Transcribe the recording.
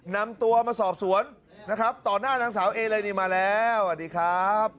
นำตัวมาสอบสวนต่อน่านางสาวเอละนี่มาแล้วสวัสดีครับ